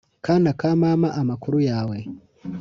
Kana ka mama amakuru yawe